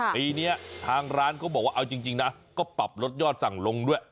ปีนี้ทางร้านเขาบอกว่าเอาจริงนะก็ปรับลดยอดสั่งลงด้วย